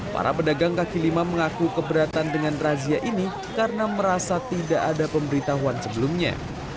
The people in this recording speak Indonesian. para pedagang kaki lima mengaku keberatan dengan razia ini karena merasa tidak ada pemberitahuan sebelumnya